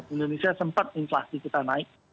indonesia sempat inflasi kita naik